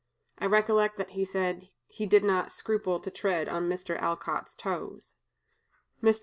I recollect he said he did not scruple to tread on Mr. Alcott's toes." Mr.